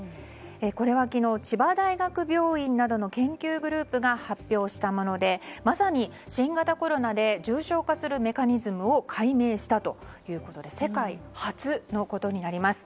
これは昨日、千葉大学病院などの研究グループが発表したものでまさに新型コロナで重症化するメカニズムを解明したということで世界初のことになります。